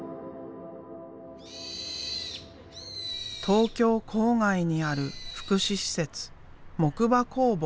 東京郊外にある福祉施設木馬工房。